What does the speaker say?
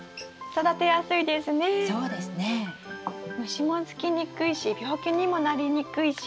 虫もつきにくいし病気にもなりにくいし